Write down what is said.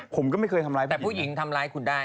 ผมก็ไม่เคยทำร้ายแต่ผู้หญิงทำร้ายคุณได้